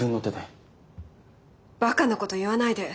ばかなこと言わないで。